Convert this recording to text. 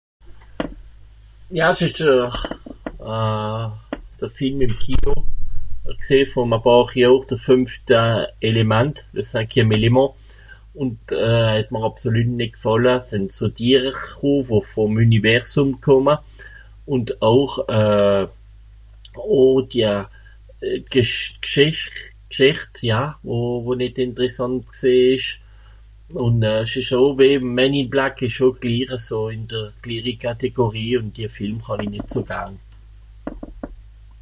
"Ja, s'ìsch d'r, euh... d'r Film ìm Kino gsìì, vor e pààr Johr, de Fünft Elemant, ""le cinquième élément"". Ùnd, euh... het m'r àbsolüt nìt gfàlle, sìnn so (...), wo vùm Üniversum kùmma. Ùnd auch, euh... oo dia Gìsch... Gschìsch... Gschìcht, ja, wo... wo nìt ìnteressant gsìì ìsch, ùn euh... s'ìsch au (...) Kategorie ùn die Film hàw-i nìt so garn."